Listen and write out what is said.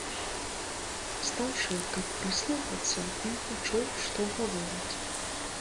Стаўшы, каб прыслухацца, ён пачуў, што гавораць.